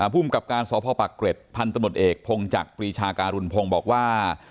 ผู้อุ่มกับการสภาพปรากฏพันธุ์ตำรวจเอกพงศ์จักรีชาการุณพงศ์บอกว่า